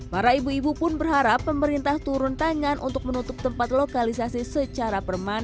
para ibu ibu pun berharap pemerintah turun tangan untuk menutup tempat lokalisasi secara permanen